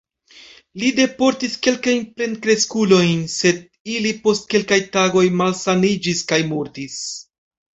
Li deportis kelkajn plenkreskulojn, sed ili post kelkaj tagoj malsaniĝis kaj mortis.